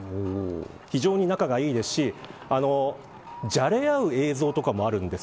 非常に仲がいいですしじゃれ合う映像とかもあるんです。